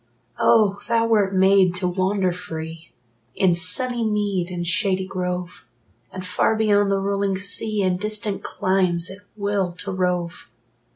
Oh, thou wert made to wander free In sunny mead and shady grove, And far beyond the rolling sea, In distant climes, at will to rove!